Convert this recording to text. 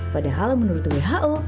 padahal menurut who